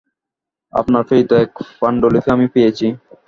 আপনার প্রেরিত এক পাণ্ডুলিপি আমি পেয়েছি।